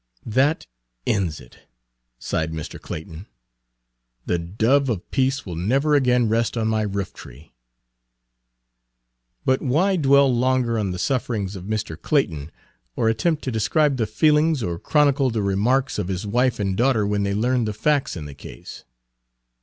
"That ends it," sighed Mr. Clayton. "The dove of peace will never again rest on my roof tree." But why dwell longer on the sufferings of Page 130 Mr. Clayton, or attempt to describe the feelings or chronicle the remarks of his wife and daughter when they learned the facts in the case?